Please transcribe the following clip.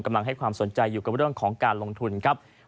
ให้ความสนใจอยู่กับเรื่องของการลงทุนครับ